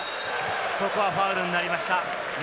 ここはファウルになりました。